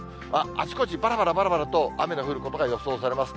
あちこち、ばらばらばらばらと雨の降ることが予想されます。